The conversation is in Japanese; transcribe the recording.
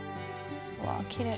わきれい。